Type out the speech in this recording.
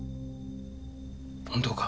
本当か？